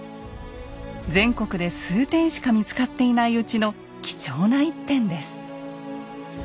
全国で数点しか見つかっていないうちの貴重な１点です。